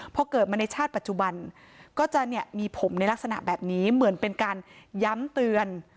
พอเกิดมาในชาติปัจจุบันก็จะมีผมในลักษณะแบบนี้เหมือนเป็นการย้ำเตือน